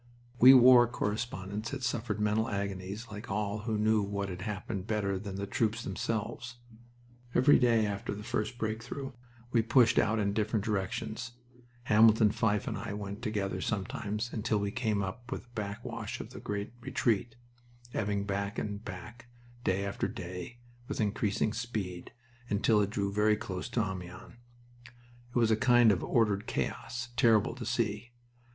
We war correspondents had suffered mental agonies like all who knew what had happened better than the troops themselves. Every day after the first break through we pushed out in different directions Hamilton Fyfe and I went together sometimes until we came up with the backwash of the great retreat, ebbing back and back, day after day, with increasing speed, until it drew very close to Amiens. It was a kind of ordered chaos, terrible to see.